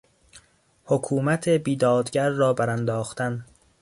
حکومت بیدادگر را برانداختن